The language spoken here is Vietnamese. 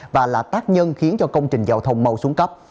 và là tác nhân khiến cho công trình giao thông mau xuống cấp